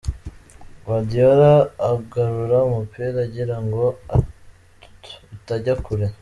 Guardiola agarura umupira agira ngo utajya kure.